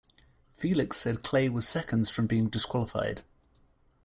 Felix said Clay was seconds from being disqualified.